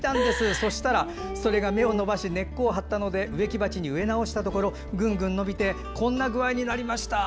そしたら、それが芽を伸ばし根を張ったので植木鉢に植え直したところぐんぐん伸びてこんな具合になりました。